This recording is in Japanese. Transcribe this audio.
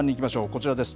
こちらです。